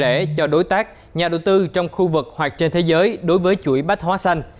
tiền lễ cho đối tác nhà đầu tư trong khu vực hoặc trên thế giới đối với chuỗi bách hóa xanh